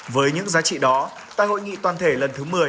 với những giá trị đó tại hội nghị toàn thể lần thứ một mươi